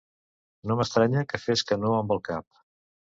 No m'estranya que fes que no amb el cap!